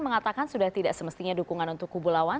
mengatakan sudah tidak semestinya dukungan untuk kubu lawan